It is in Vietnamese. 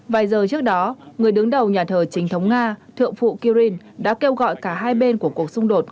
vài giờ trước đó người đứng đầu nhà thờ chính thống nga thượng phụ kirin đã kêu gọi cả hai bên của cuộc xung đột